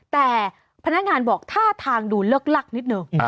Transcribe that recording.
แต่พนักงานบอกท่าทางดูเลิกลักนิดนึง